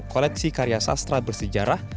koleksi karya sastra bersejarah